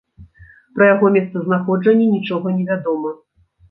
Пра яго месцазнаходжанне нічога не вядома.